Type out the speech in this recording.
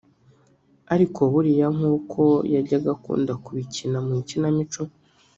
ariko buriya nk’uko yajyaga akunda kubikina mu ikinamico